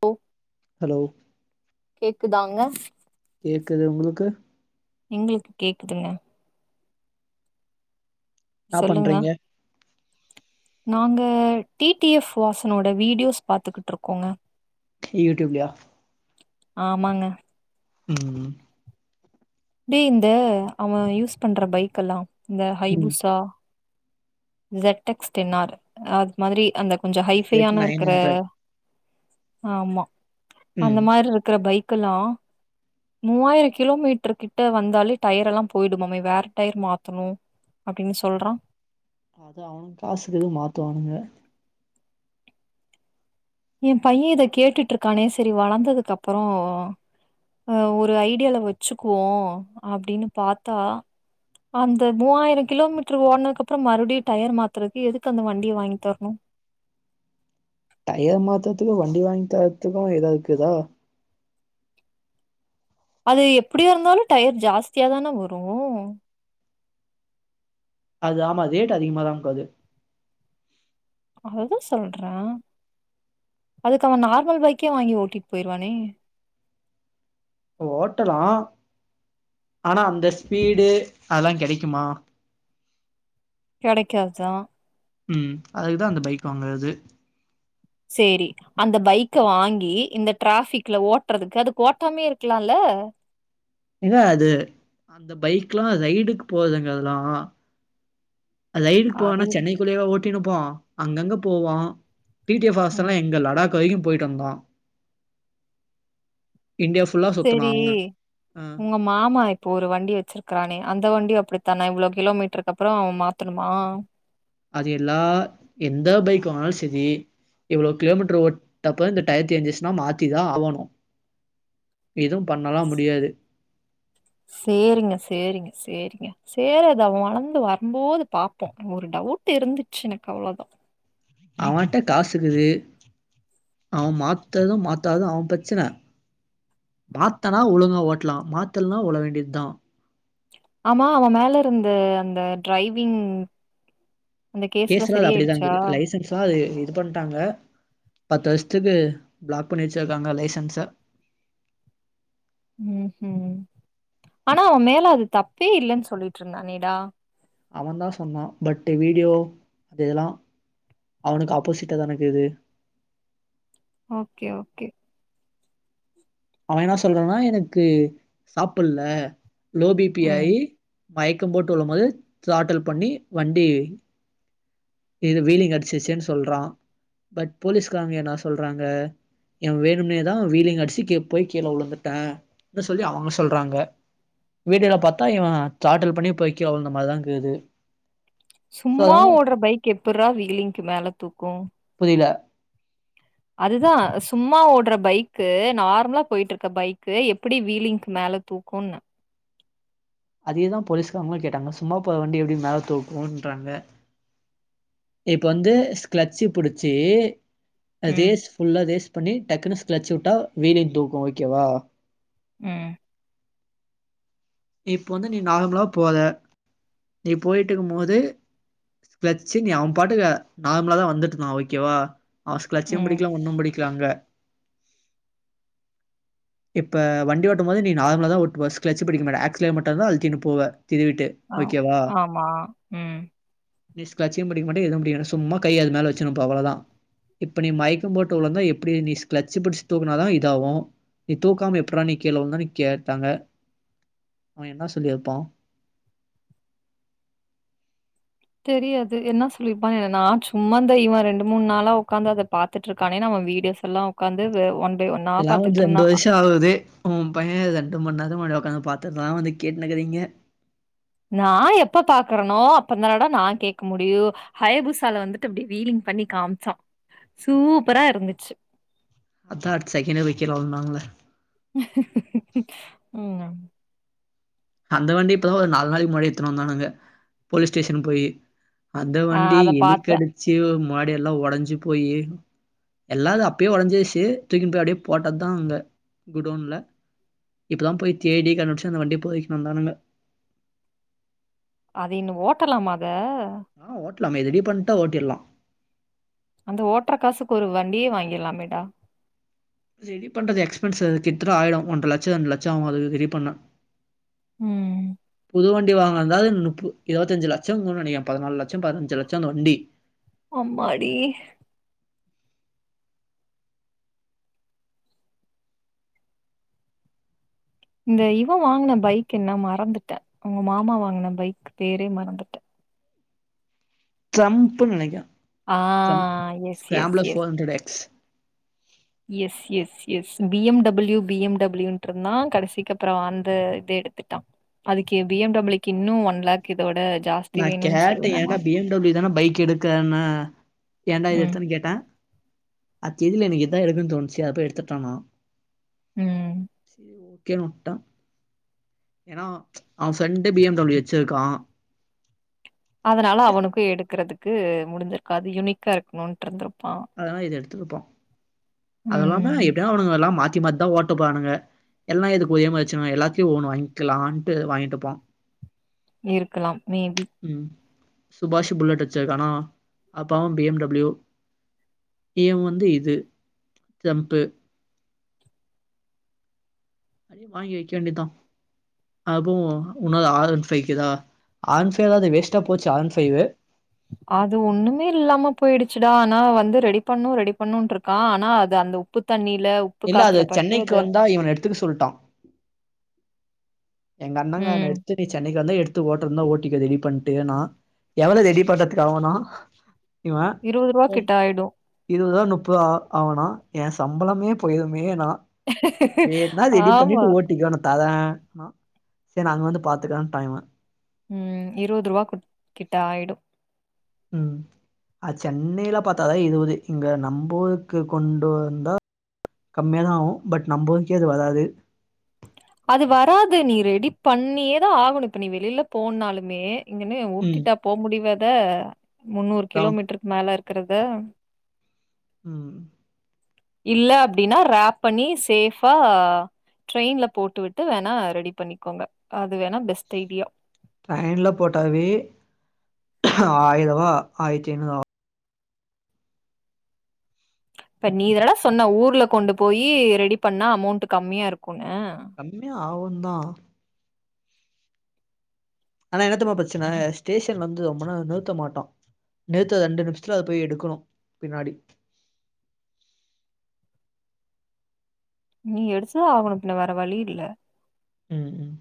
போ ஹலோ கேக்குதாங்க கேட்குது உங்களுக்கு எங்களுக்கு கேக்குது என்னா சொல்லுங்க பண்றீங்க நாங்க டி டி எஃப் வாசனோட வீடியோஸ் பாத்துக்கிட்டு இருக்கோங்க யூடுப் லயா ஆமாங்க ம் எப்டி இந்த அவ யூஸ் பண்ற பைக் எல்லா இந்த ம் ஹைபூசா ஜெக்டஸ் டென் ஆர் அது மாதிரி அந்த கொஞ்சோ செட் ஹைபையான நைன் இருக்குற ஹண்ட்ரட் ஆமா ம் அந்த மாதிரி இருக்கிற பைக்கலா மூவாயிரோ கிலோமீட்டருக்கு கிட்ட வந்தாலே டயர் எல்லா போயிடுமாமே வேற டயர் மாத்தணு அப்டின்னு சொல்றா அது அவனு காசுக்கு ஏது மாத்துவானுங்க எ பைய இத கேட்டிட்டு இருக்கானே செரி வளர்ந்ததுக்கப்பறோ ஒரு ஐடியால வச்சிக்குவோ அப்டின்னு பாத்தா அந்த மூவாயிறோ கிலோமீட்டர் ஓட்னதுக்கு அப்பறோ மறுபடியு டயர் மாத்துறதுக்கு எதுக்கு அந்த வண்டிய வாங்கி தரணு டயர் மாத்துறதுக்கு வண்டி வாங்கி தரத்துக்கு ஏதா இருக்குதா அது எப்படியா இருந்தாலு டயர் ஜாஸ்தியா தானே வரு அது ஆமா ரேட் அதிகமா தா போது அததா சொல்றே அதுக்கு அவ நார்மல் பைக்கே வாங்கி ஓட்டிட்டு போயிருவானே ஓட்டலா ஆனா அந்த ஸ்பீடு அதெல்லா கிடைக்குமா கிடைக்கா தா ம் அதுக்குதா அந்த பைக் வாங்குனது சேரி அந்த பைக்க வாங்கி இந்த டிராபிக்ல ஓட்டுறதுக்கு அது ஓட்டாமேயே இருக்கலால இல்ல அது அந்த பைக் எல்லா ரைடுக்கு போதுங்கெல்லா லைனுக்கு அது போவேனா சென்னைக்குள்ளேய ஓட்டிருப்போ அங்கங்க போவோ டிடிஎ வாசன் ம். எங்க லடாக் இப்போதைக்கு போயிட்டு வந்தோ இந்தியா ஃபுல்லா சுத்துனா சரி. அவ அ உங்க மாமா இப்போ ஒரு வண்டி வச்சிருக்கறானே அந்த வண்டி அப்டித்தானே இவ்ளோ கிலோமீட்டருக்கு அப்பறோ அவ மாத்தணுமா அது எல்லா எந்த பைக் வாங்குனாலு செரி இவ்ளோ கிலோமீட்டர் ஓட்டப்ப இந்த டயர் தேஞ்ச்சுன்சுனா மாத்திதா ஆகணு எதுவு பண்ணலா முடியாது சேரிங்க சேரிங்க சேரிங்க சேரி அது அவ வளந்து வரும்போது பாப்போ ஒரு டவுட் இருந்துச்சு எனக்கு அவ்ளோதா அவன்ட்ட காசு இருக்குது அவ மாத்தது மாத்தாது அவ பிரச்சன மாத்துனா ஒழுங்கா ஓட்டலா மாத்தலனா உல வேண்டியது தா ஆமா அவ மேல இருந்த அந்த டரைவிங் கேசுல அது அப்படிதாங்குது லைசன்ஸ் தா இது பண்ட்டாங்க பத்து வருஷத்துக்கு பிளாக் பண்ணி வச்சிருக்காங்க லைசன்ஸ ம் ஆனா அவ மேல அது தப்பே இல்லேன்னு சொல்லிட்டு இருந்தானேடா அவ தா சொன்னா பட் வீடியோ அது இதெல்லா அவனுக்கு ஆப்போசிட்டாதானக்குது ஓகே ஓகே அவ என்ன சொன்னான எனக்கு சாப்புட்ல லோ பீ பீ ம். ஆயி மயக்க போட்டு உழும்போது ஷ்லாட்டல் பண்ணி வண்டி இது வீலிங் அடிச்சிச்சுன்னு சொல்றா பட் போலீஸ்காரங்க என்ன சொல்றாங்க இவ வேணும்னேதா வீலிங் அடிச்சு கே போய் கீழ உழுந்துட்டா அ சொல்லி அவுங்க சொல்றாங்க வீடியோல பாத்தா இவ சாட்டல் பண்ணி போயி கிழ விழுந்த மாராதாஇக்குது சும்மா ஓடுற பைக் எப்புறா வீலிங்க்கு மேல தூக்கு புரில அதுதா சும்மா ஓடுற பைக்கு நார்மலா பொயிட்ருக்க பைக்கு எப்படி வீலிங்க்கு மேல தூக்குண்ண அதேதா போலீஸ்காரங்ளு கேட்டாங்க சும்மா போற வண்டி எப்டி மேல தூக்குன்றாங்க இப்ப வந்து ஸ்க்லட்சி புடிச்சி ம், அதேஸ் ஃபுல்லா ரேஸ் பண்ணி டக்குனு ஸ்கலச்சு உட்டா வீலிங் தூக்கு ஓகேவா ம் இப்போ வந்து நீ நார்மலா போர நீ பொயிட்டுக்கும் போது கிளச்சு நீ அவ பாட்டுக்கு நார்மலா தா வந்துட்ருந்தா ஓகேவா அவ ஸ்கலட்சு ம். புடிக்லா ஒண்ணு புடிக்லா அங்க இப்ப வண்டி ஓட்டு போது நீ நர்மலதா ஓட்டுவே ஸ்கலச்சு புடிக்க மாட்டே ஆக் ஸலேட்டர் மட்டு தா அழுத்தின்னு போவ திருவிட்டு அ ஆமா ம் ஸ்கலச்சு புடிக்க மாட்ட எதுவு புடிக்க மாட்ட சும்மா கை அது மேல வச்சுனுப்ப அவ்ளோத இப்ப நீ மயக்கம் போட்டு உலுந்தா எப்டி நீ ஸ்கலட்சி புடிச்சி தூக்குனாதா இதாவு நீ தூக்காம எப்புட்ரா நீ கிழ உளுந்தேனு கேட்டாங்க அவ என்ன சொல்லிருப்பா தெரியாது என்ன சொல்லிருப்பா நா சும்மா இவ இந்த ரெண்டு மூணு நாளா உக்காந்து அத பாத் துட்ருக்கானே அவ வீடியோஸ் எல்லா உக்காந்து ஒன் பை ஒன்னா இதெல்லா வந்து ரெண்டு பார்த்துட்டுருந்தான். வருஷோ ஆவுது ஓ பைய ரெண்டு மண்நேரத்துக்கு முன்னாடி உக்காந்து பாத்ததுலா வந்து கேட்டுனுருக்குறீங்க நா எப்ப பாக்குறனோ அப்பதானடா நா கேக்க முடியு ஹயபுசால வந்துட்டு அப்டி வீலிங் பண்ணி காமிச்சா சூப்பரா இருந்துச்சி அதா அடுத்த செகண்டே போய் கீழ உழுந்தாலே ம் அந்த வண்டி இப்பதா ஒரு நாலு நாளைக்கு முன்னடி தா எடுத்துட்டு வந்தானுங்க போலீஸ் ஸ்டேஷன் போயி அந்த அ வண்டி அத பார்த்தேன். எலிக்கடிச்சு மாடிய எல்லா ஒடஞ்சு போயி எல்லா அது அப்பயே ஒடைஞ்சுச்சு தூக்கின்னு போய் அப்டியே போட்டது தா அங்க குடவ்ன்ல இப்பதா போய் தேடி கண்டுபிடிச்சு அந்த வண்டி பொரிக்கினுவந்தானுங்க அது இன்னு ஓட்டலாம அத ஆ ஓட்டலாமே ரெடி பண்ணிட்ட ஓட்டிருலா அத ஓட்டுற காசுக்கு ஒரு வண்டியே வாங்கிட்லாமே டா ரெடி பண்றது எக்ஸ்பன்ஸ் கிட்டதட்ட ஆயிடு ஒன்ற லட்சோ ரெண்டு லட்சசோ ஆவு அது ரெடி பண்ணா ம் புது வண்டி வாங்னோ தாது முப்பு இருவத்தஞ்சி லட்சோ இருக்குன்னு நெனைக்கிறே பதினாலு லட்சோ பதினஞ்சி லட்சோ அந்த வண்டி அம்மாடி இந்த இவே வாங்குன பைக் என்ன மறந்துட்ட உங்க மாமா வாங்குன பைக் பேரே மறந்துட்ட ட்ரம்புன்னு நனைக்கிறே ஆ ட்ரம்ப் எஸ், எஸ், ஸ்கிராம்லஸ் எஸ். வாலன்டாட் X S S S B M W B M W ன்டு இருந்தா கடைசிக்கு அப்றோ அந்த இத எடுத்துட்டா அதுக்கு பி எம் டபிள்யூ க்கு இன்னு ஒன் லேக் இதோட ஜாஸ்தி நா வேணுன்னு கேட்டே சொன்னே நா ஏண்டா பி எம் டபிள்யூ தானே பைக் எடுக்கரேன்ன ஏண்டா இது ம் எடுத்தேன்னு கேட்டட அது தெரில எனக்கு இதா எடுக்குன்னு தோணுச்சி அதபோய் எடுத்துட்டானா ம் ஒகேன்னுவுட்டா ஏன்னா அவ ஃப்ரெண்டு பி எம் டபிள்யூ வெச்சு இருக்கா அதனால அவனுக்கு எடுக்குறதுக்கு முடிஞ்சிருக்காது யுனிக்கா இருக்கணும் இட்டு இருந்திருப்பா அதா இது எடுத்துருப்பா அதுவு இல்லாம ம் எப்புடியு அவுனுங்க எல்லா மாத்தி மாத்திதா ஓட்டப்போறானுங்க எல்லா எதுக்கு ஒரே மாரி வெச்சிருக்குனு எல்லாத்தையு ஒவ் ஒன்னு வாங்கிலான்டு வாங்கிட்டிருபா இருக்கலாம் மேபி ம் சுபாஷ் புல்லட் வெச்சிருக்கானா அப்பாவும் பி எம் டபிள்யூ இவன் வந்து இது ஜம்பு அப்டியே வாங்கி வெக்க வேண்டிதா அப்போ உன்னாது ஆர் அண்ட ஃபைக்குதா ஆர் ஆன் ஃபைவ் அதாது வேஸ்ட்டாக போச்சு ஆர்ன் ஃபைவ் அது ஒன்னுமே இல்லாம போயிடுச்சிடா ஆனா அவ வந்து ரெடி பண்ணு ரெடி பண்ணுட்டிருக்கா ஆனா அது அந்த உப் உப்பு தண்ணில உப்பு இல்ல அது காத்துல பட்டு சென்னைக்கு அது வந்தா இவன எடுத்துக்க சொல்டா எங்க அண்ணாங்கார ம் எடுத்து நீ சென்னைக்கு வந்து எடுத் எடுத்து ஓட்டரதுனா ஓட்டிக்க ரெடி பண்ணிட்டுனா எவ்ளோ ரெடி பண்றதுக்கு ஆவுன்னா இவே இருவது ரூவா ம் கிட்ட ஆயிடு இருவதோ முப்பதோ ஆவுனா எயா சம்பளமே போயிருமேனா வேண்னா ரெடி ஆமா பண்ணிட்டு ஓட்டிக்கோ நா தரேன்னா சேரி அங்க வந்து பாத்துக்றேன்டா இவே ம் இருவது ரூபாக் குட் கிட்ட ஆயிடு ம் அது சென்னையில பாத்தா தா இருவது இங்க நம்புர்கு கொண்டு வந்தா கம்மியாக தா ஆவு பட் நம்ப ஊர்கே அது வராது அது வராது நீ ரெடி பண்ணியே தா ஆகணு இப்ப நீ வெளியில போனாலுமே இங்கன்னு ம் உருட்டிட்டா போ முடிவ அத முன்னூறு அதா கிலோமீட்டருக்கு மேல இருக்கறத ம் இல் அப்டீன்னா ரேப் பண்ணி சேஃபா ட்ரெயின்ல போட்டுவிட்டு வேணா ரெடி பண்ணிக்கோங்க அது வேணா பெஸ்ட் ஐடியா ட்ரெயின்ல போட்டாவே ஆயிர ரூவா ஆயிரத்தி ஐநூறு ஆவு இப்ப நீ தானடா சொன்ன ஊர்ல கொண்டு போயி ரெடி பண்ணா அமௌண்ட் கம்மியா இருக்குன்னு கம்மியா ஆவும் தா ஆனா என்னத் தெரிமா பிரச்சன ஸ்டேஷன்ல வந்து ரொம்ப நேரோ நிறுத்த மாட்டா நிறுத்ற ரெண்டு நிமிஷத்துல அத போய் எடுக்கணு பின்னாடி நீ எடுத்துதா ஆகணு பின்ன வேற வழி இல்ல ம் ம்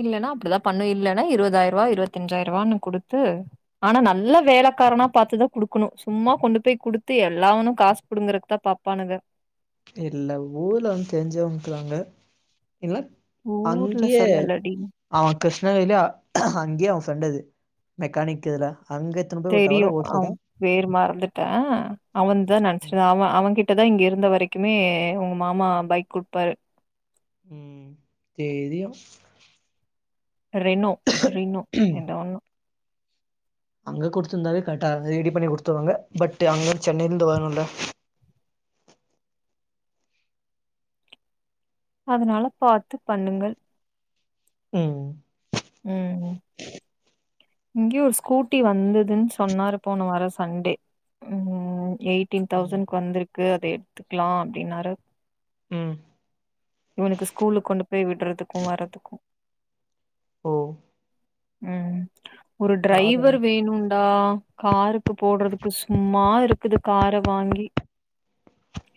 இல்லனா அப்டிதா பண்ணு இல்லனா இருவதாயு ரூவா இருபத்தஞ்சாயி ரூவான்னு குடுத்து ஆனா நல்ல வேலைக்காரனா பாத்துதா குடுக்கணு சும்மா கொண்டு போய் குடுத்து எல்லாவனு காசு புடுங்கறதுக்கு தா பாப்பானுங்க இல்ல ஊர்ல வந்து தெரிஞ்வங் இருக்கராங்க இல்ல ஊர்ல அங்கியே சொல்லலடி அவன் கிருஷ்ணகிரில அங்கயே அவன் சொன்னது மெக்கானிக் இதுல அங்க எத்தனை போய் விட்டா தெரியு கூட ஓகே ஆ தான் பெர் மறந்துட்டே அவன் தா ம். நனச்சிருந்த அவ அவன் கிட்டதா இங்க இருந்த வரைக்கு க்குமே உங்க மாமா பைக் குடுப்பாரு ம் தேரியு ரென்னோ ரீன்னோ ஏதோ ஒன்னு அங்க கொடுத்துருந்தாவே கர்ட்டா ரெடி பண்ணி கொடுத்துருவாங்க பட் அங்க சென்னையிலருந்து வரணுல்ல அதுனால பாத்து பண்ணுங்க உ உ உ இங்கேயே ஒரு ஸ்கூட்டி வந்துதுன்னு சொன்னாரு போன வாரோ சண்டே ம் ம் எயிட்டீன் ம். தௌசண்க்கு வந்திருக்கு அத எடுத்துக்கலா அப்டின்னாரு ம் இவனுக்கு ஸ்கூலு கொண்டு போய் விடுறதுக்கு வர்றதுக்கு ஓ ம் ஒரு டிரைவர் காதலன் வேணு டா காருக்கு போடுறதுக்கு சும்மா இருக்குது கார வாங்கி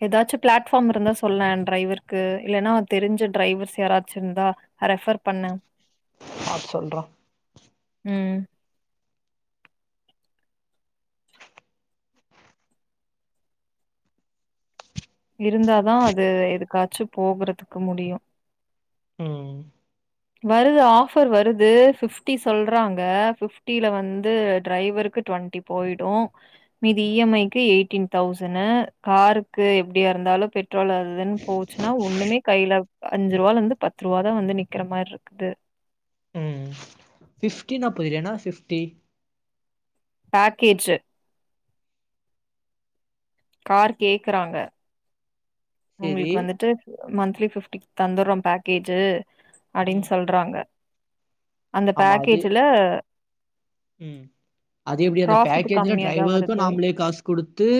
ஏதாச்சு பிளாட்ஃபார் இருந்தா சொல்லேன் டிரைவருக்கு இல்லன்னா தெரிஞ்ச டிரைவர்ஸ் யாராச்சு இருந்தா ரெஃபர் பண்ணு அ சொல்றே உ இருந்தாதா அது எதுக்காச்சோ போகுறதுக்கு முடியு உ வருது ஆஃபர் வருது ஃபிப்டி சொல்றாங்க பிஃப்டியில வந்து டிரைவருக்கு ட்வெண்டி போயிடு மீதி இ எம் ஐக்கு எயிட்டீன் தௌசண்னு காருக்கு அப்படியா இருந்தாலு பெட்ரோல் அதுதுன்னு போச்சுன்னா ஒண்ணுமே கைய்ல அஞ்சு ரூவால இருந்து பத்து ரூவா தா வந்து நிற்கிற மாரி இருக்கு பிப்டினா போய்டு என பிப்டி பேக்கேஜ் கார் கேக்குறாங்க சரி. உங்களுக்கு வந்துட்டு மந்த்லி பிப்டிக்கு தந்துரோ பேக்கேஜு ம். அப்டின்னு சொல்ற ட்ராங்க அந்த ஆமா. அது பேக்கேஜ்ல ம் அது எப்டி அந்த ப்ராஃபிட் பேக்கேஜ்ல கம்மியா தான் வருது டிரைவருக்கு நாமளே காசு குடுத்து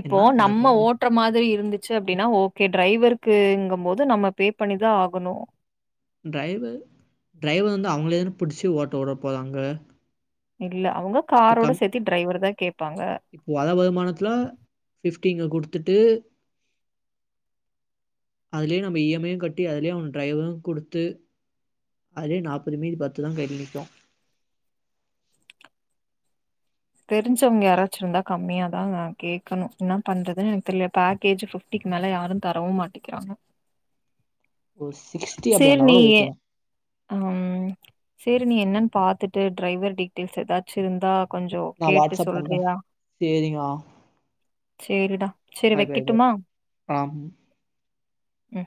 இப்போ என்ன கணக்கு நம்ம அது? ஓட் ற்ற மாதிரி இருந்துச்சு அப்படின்னா ஓகே டிரைவர்க்குங்க போது நம்ம பே பண்ணிதா ஆகணு டிரைவு டிரைவர் தா வந்து அவங்களே தான பிடிச்சி ஓட்ட உடற போராங்க இல்ல அவுங்க காரோட சேர்த்தி டிரைவர் தா கேப்பாங்க வத வருமானத்துல ஃபிஃப்டிங்க குடுத்துட்டு அதுலயே நம்ம இஎம்ஐயையு கட்டி அதுலயே அவன் டிரைவரு குடுத்து அதே நாற்பது மிரி பத்து தா கையி கடகோ தெரிஞ்சவங்கயாராச்சிருந்தா கம்மியா தா கே்கணு என்ன பண்றதுன்னு எனக்கு தெரிய பேக்கேஜ் டிக்கு மேல யாரு தரவு மாட்டேங்க்கிறாங்க உஸ் செரி நியே அ ம் சேரி நீ என்னன்னு பாத்துட்டு டிரைவர் டீட்டெயில்ஸ் ஏதாச்சு இருந்தா கொஞ்சோ நான் கேட்டுட்டு வாட்ஸ்அப் பண்றேன். சொல்றியா சரிங்க. சேரிடா சேரி வெக்கட்டுமா ஆம் ம்.